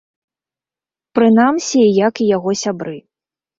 Прынамсі, як і яго сябры.